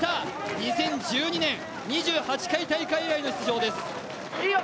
２０１２年、２８回大会以来の出場です。